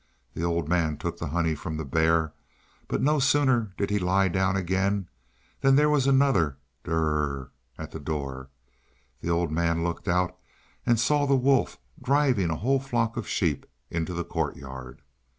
The old man took the honey from the bear; but no sooner did he lie down again than there was another Durrrrr! at the door. The old man looked out and saw the wolf driving a whole flock of sheep into the courtyard.